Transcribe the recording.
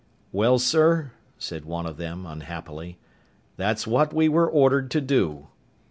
"Well, sir," said one of them, unhappily, "that's what we were ordered to do."